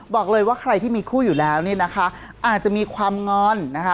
บอกเลยว่าใครที่มีคู่อยู่แล้วเนี่ยนะคะอาจจะมีความงอนนะคะ